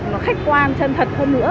nó khách quan chân thật hơn nữa